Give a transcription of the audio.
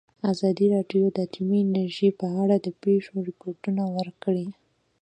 ازادي راډیو د اټومي انرژي په اړه د پېښو رپوټونه ورکړي.